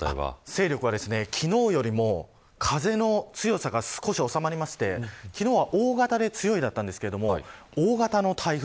勢力は、昨日よりも風の強さが少し収まりまして昨日は大型で強いだったんですけれども大型の台風。